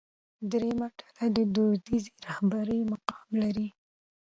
درېیمه ډله د دودیزې رهبرۍ مقام لري.